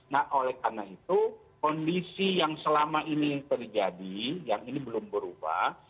nah oleh karena itu kondisi yang selama ini terjadi yang ini belum berubah